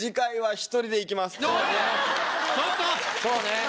そうね。